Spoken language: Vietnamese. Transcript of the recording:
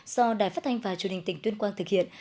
do đài phát thanh và truyền hình tỉnh tuyên quang thực hiện